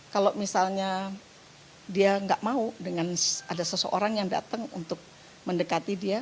kalau misalnya dia nggak mau dengan ada seseorang yang datang untuk mendekati dia